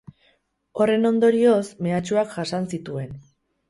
Horren ondorioz, mehatxuak jasan zituen.